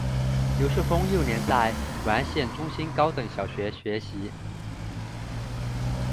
刘秀峰幼年在完县中心高等小学学习。